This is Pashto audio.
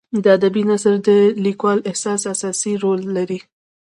د ادبي نثر د لیکوال احساس اساسي رول لري.